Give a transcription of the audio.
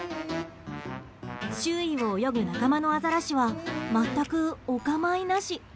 周囲を泳ぐ仲間のアザラシは全くお構いなし。